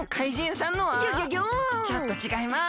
ちょっとちがいます！